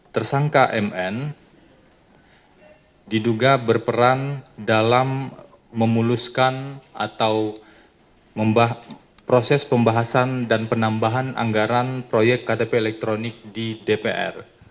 tersangka mn diduga berperan dalam memuluskan atau proses pembahasan dan penambahan anggaran proyek ktp elektronik di dpr